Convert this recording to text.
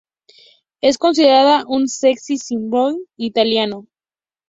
Es considerada un "sex symbol" italiano.